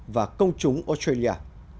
và công chúng australia